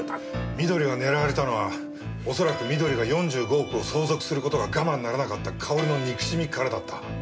美登里が狙われたのはおそらく美登里が４５億を相続する事が我慢ならなかったかおるの憎しみからだった。